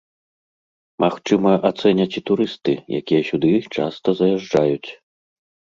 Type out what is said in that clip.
Магчыма ацэняць і турысты, якія сюды часта заязджаюць.